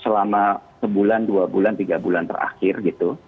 selama sebulan dua bulan tiga bulan terakhir gitu